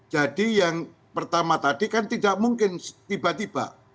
jadi yang pertama tadi kan tidak mungkin tiba tiba